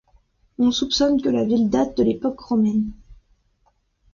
On soupçonne que la ville date de l'époque romaine.